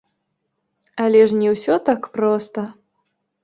Але ж не ўсё так проста.